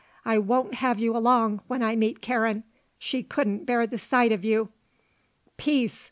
I won't have you along when I meet Karen. She couldn't bear the sight of you." "Peace!"